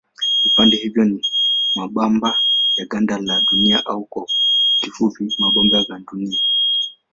Vipande hivyo ni mabamba ya ganda la Dunia au kwa kifupi mabamba gandunia.